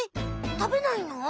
たべないの？